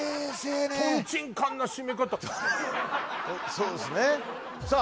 そうですねさあ